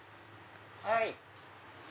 はい。